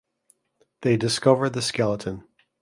They discover the skeleton.